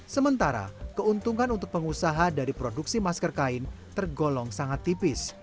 sementara keuntungan untuk pengusaha dari produksi masker kain tergolong sangat tipis